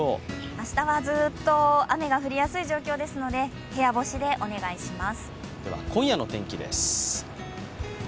明日はずーっと雨が降りやすい状況ですので、部屋干しでお願いします。